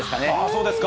そうですか。